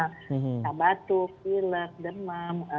kita batuk filet demam